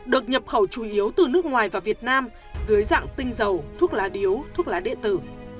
được nhập khẩu chủ yếu từ nước ngoài và việt nam dưới dạng tinh dầu thuốc lá điếu thuốc lá điện tử